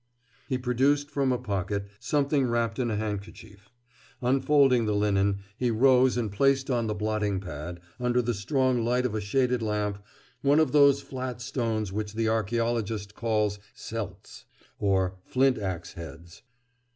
He produced from a pocket something wrapped in a handkerchief. Unfolding the linen, he rose and placed on the blotting pad, under the strong light of a shaded lamp, one of those flat stones which the archeologist calls "celts," or "flint ax heads."